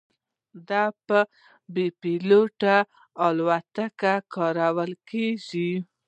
دا په بې پیلوټه الوتکو کې کارول کېږي.